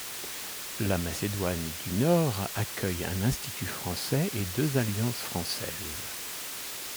La Macédoine du Nord accueille un Institut français et deux Alliances françaises.